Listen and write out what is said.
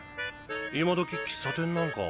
今時喫茶店なんか。